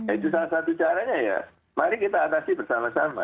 itu salah satu caranya ya mari kita atasi bersama sama